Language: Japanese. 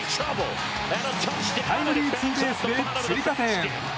タイムリーツーベースで追加点。